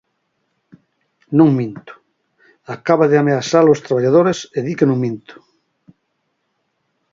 Non minto, acaba de ameazar os traballadores e di que non minto.